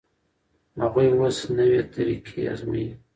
هغوی اوس نوې طریقه ازمويي.